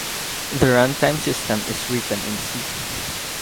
The run-time system is written in C.